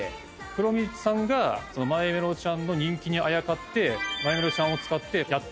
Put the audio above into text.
クロミさんがマイメロちゃんの人気にあやかってマイメロちゃんを使ってやったレンタカーショップですね。